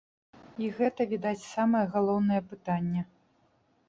І гэта, відаць, самае галоўнае пытанне.